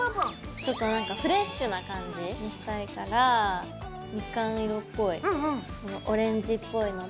ちょっとなんかフレッシュな感じにしたいからみかん色っぽいこのオレンジっぽいのと。